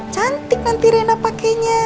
cantik nanti rena pakenya